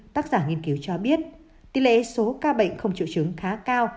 tác giả nghiên cứu cho biết tỷ lệ số ca bệnh không chịu chứng khá cao